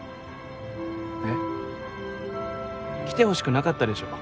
えっ？来てほしくなかったでしょ？